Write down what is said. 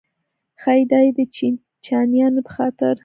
ښایي دا یې د چیچنیایانو په خاطر.